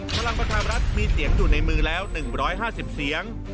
พลังประชารัฐมีเสียงอยู่ในมือแล้ว๑๕๐เสียง